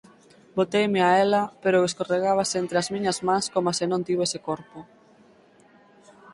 Boteime a ela pero escorregábase entre as miñas mans coma se non tivese corpo...